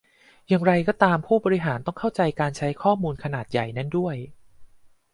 อย่างไรก็ตามผู้บริหาร ต้องเข้าใจการใช้ข้อมูลขนาดใหญ่นั้นด้วย